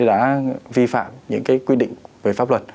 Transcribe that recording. đã vi phạm những quy định về pháp luật